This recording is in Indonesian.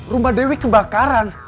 rumah dewi kebakaran